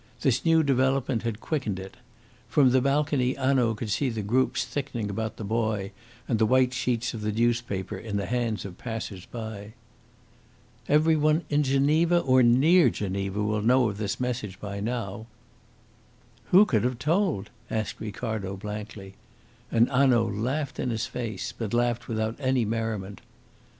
This new development had quickened it. From the balcony Hanaud could see the groups thickening about the boy and the white sheets of the newspapers in the hands of passers by. "Every one in Geneva or near Geneva will know of this message by now." "Who could have told?" asked Ricardo blankly, and Hanaud laughed in his face, but laughed without any merriment.